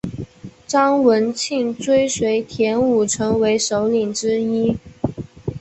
张文庆追随田五成为首领之一。